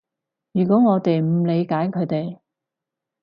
如果我哋唔理解佢哋